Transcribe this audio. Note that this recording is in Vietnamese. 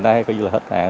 hay coi như là hết hạn